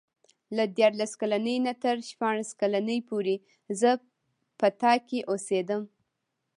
له دیارلس کلنۍ نه تر شپاړس کلنۍ پورې زه په تا کې اوسېدم.